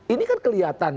ini kan kelihatan